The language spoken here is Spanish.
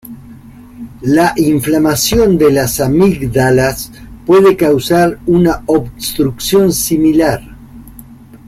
La inflamación de las amígdalas puede causar una obstrucción similar.